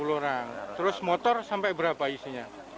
delapan puluh orang terus motor sampai berapa isinya